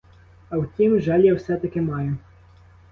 А втім, жаль я все-таки маю.